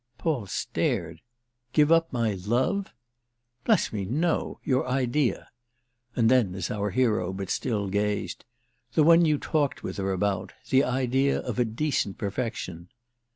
Paul stared. "Give up my 'love'?" "Bless me, no. Your idea." And then as our hero but still gazed: "The one you talked with her about. The idea of a decent perfection."